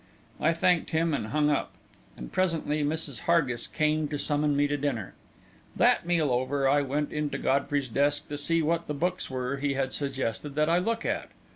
I thanked him, and hung up; and presently Mrs. Hargis came to summon me to dinner. That meal over, I went in to Godfrey's desk to see what the books were he had suggested that I look at.